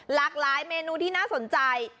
หลากหลายเมนูที่น่าสนใจ